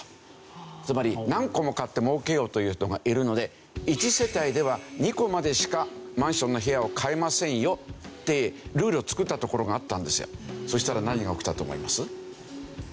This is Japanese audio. つまり何戸も買って儲けようという人がいるので一世帯では２戸までしかマンションの部屋を買えませんよってルールを作ったところがあったんですよ。